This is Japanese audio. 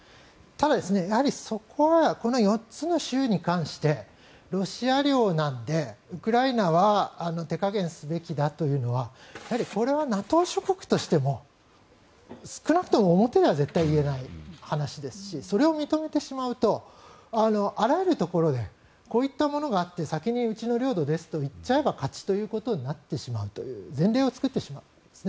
ただ、そこはこの４つの州に関してロシア領なのでウクライナは手加減すべきだというのはこれはＮＡＴＯ諸国としても少なくとも表では絶対言えない話ですしそれを認めてしまうとあらゆるところでこういったものがあって先にうちの領土ですと言っちゃえば勝ちになってしまうという前例を作ってしまうんです。